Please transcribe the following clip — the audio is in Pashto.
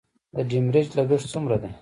د ډیمریج لګښت څومره دی؟